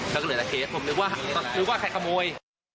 แล้วก็เหลือแต่เคสผมนึกว่าใครขโมย